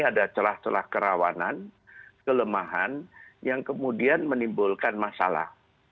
ada celah celah kerawanan kelemahan yang kemudian menimbulkan masalah